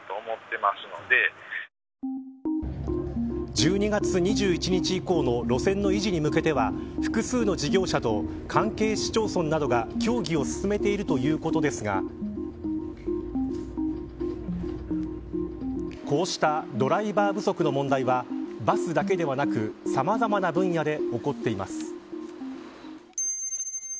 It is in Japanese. １２月２１日以降の路線の維持に向けては複数の事業者と関係市町村などが協議を進めているということですがこうしたドライバー不足の問題はバスだけではなくさまざまな分野で起こっています。